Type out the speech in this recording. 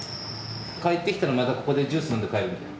帰ってきたらまたここでジュース飲んで帰ればいいじゃん。